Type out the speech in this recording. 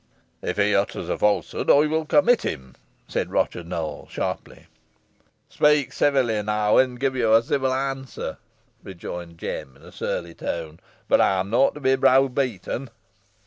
"If he utters a falsehood I will commit him," said Roger Nowell, sharply. "Speak ceevily, an ey win gi' yo a ceevil answer," rejoined Jem, in a surly tone; "boh ey'm nah to be browbeaten."